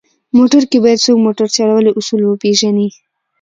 موټر کې باید څوک موټر چلونې اصول وپېژني.